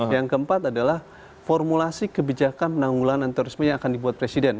yang keempat adalah formulasi kebijakan penangkulan antitorisme yang akan dibuat presiden